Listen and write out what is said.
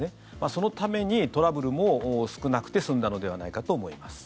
そのためにトラブルも少なくて済んだのではないかと思います。